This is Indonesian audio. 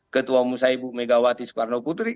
ketua musaibu megawati soekarno putri